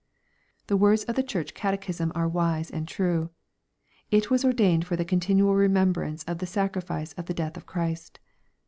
The words of the Church Catechism are wise and true :" It was ordained for the continual remembrance of the sacrifice of the death of Christ."